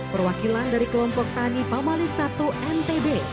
perwakilan dari kelompok tani pamalis satu ntb